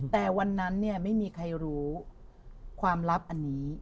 แต่วันนั้นเนี่ยไม่มีใครรู้ความลับอันนี้